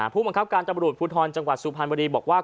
ผู้บังคับการตำรวจภูทรจังหวัดสุพรรณบุรีบอกว่า